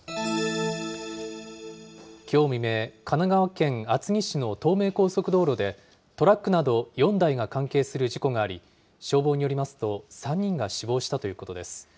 きょう未明、神奈川県厚木市の東名高速道路で、トラックなど４台が関係する事故があり、消防によりますと、３人が死亡したということです。